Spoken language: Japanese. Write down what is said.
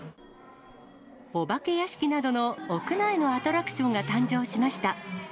お化け屋敷などの屋内のアトラクションが誕生しました。